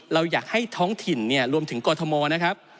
เราอยากให้ท้องถิ่นเนี่ยรวมถึงกรทมนะครับ